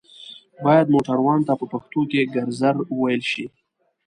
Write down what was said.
بايد موټروان ته په پښتو کې ګرځر ووئيل شي